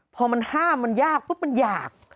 พอมันห้ามมันยากปุ๊บมันอยาก